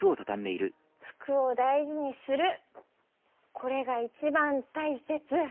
これが一番大切！